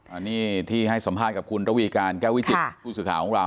อันนี้ที่ให้สัมภาษณ์กับคุณระวีการแก้ววิจิตผู้สื่อข่าวของเรา